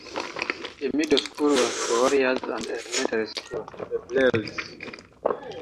The middle school was the 'Warriors' and the elementary school, the 'Braves'.